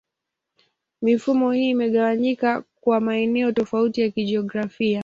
Mifumo hii imegawanyika kwa maeneo tofauti ya kijiografia.